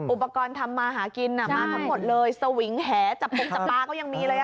อุปกรณ์ทำมาหากินมาทั้งหมดเลยสวิงแหจับปงจับปลาก็ยังมีเลย